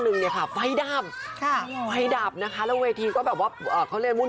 และมีการแคลร์ในโทรเที่ยวเต็ม